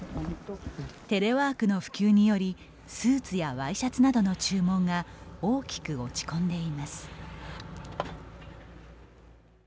テレワークの普及によりスーツやワイシャツなどの注文が大きく落ち込んでいます。